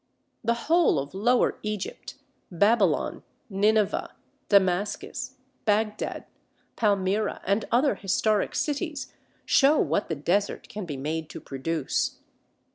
The whole of lower Egypt, Babylon, Nineveh, Damascus, Baghdad, Palmyra, and other historic cities, show what the desert can be made to produce.